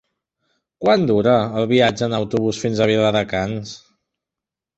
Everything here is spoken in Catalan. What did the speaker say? Quant dura el viatge en autobús fins a Viladecans?